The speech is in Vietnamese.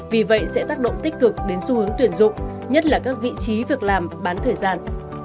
vì vậy sẽ tác động tích cực đến xu hướng tuyển dụng nhất là các vị trí việc làm bán thời gian